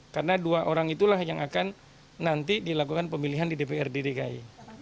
karena dua orang itulah yang akan nanti dilakukan pemilihan di dprd dki